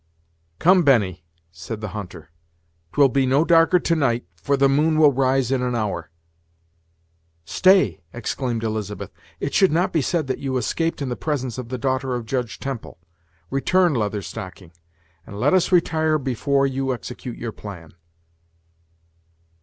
"Come, Benny," said the hunter: "'twill be no darker to night, for the moon will rise in an hour." "Stay!" exclaimed Elizabeth; "it should not be said that you escaped in the presence of the daughter of Judge Temple. Return, Leather Stocking, and let us retire Before you execute your plan."